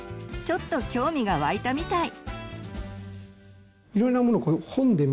ちょっと興味が湧いたみたい。